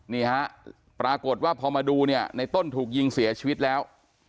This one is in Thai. นี่ฮะปรากฏว่าพอมาดูเนี่ยในต้นถูกยิงเสียชีวิตแล้ว